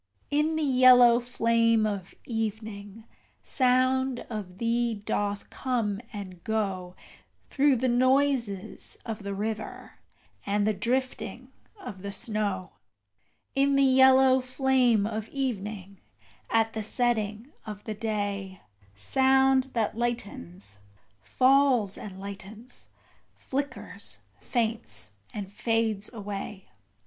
In the yellow flame of evening sound of thee doth come and go Through the noises of the river, and the drifting of the snow: In the yellow flame of evening at the setting of the day Sound that lightens, falls and lightens, flickers, faints and fades away.